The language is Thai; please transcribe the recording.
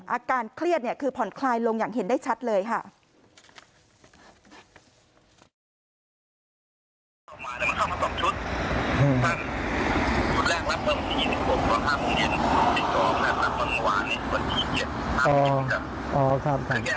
อาการเครียดคือผ่อนคลายลงอย่างเห็นได้ชัดเลยค่ะ